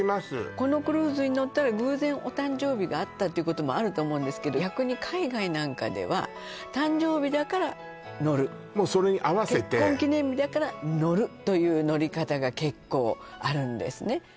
このクルーズに乗ったら偶然お誕生日があったっていうこともあると思うんですけど逆に海外なんかでは誕生日だから乗るもうそれに合わせて結婚記念日だから乗るという乗り方が結構あるんですね